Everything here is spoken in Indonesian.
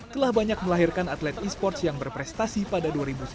telah banyak melahirkan atlet e sports yang berprestasi pada dua ribu sembilan belas